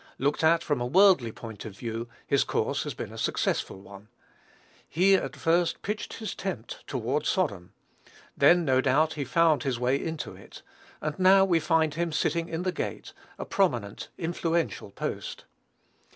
Looked at from a worldly point of view, his course has been a successful one. He at first "pitched his tent toward Sodom." Then, no doubt, he found his way into it; and now we find him sitting in the gate, a prominent, influential post.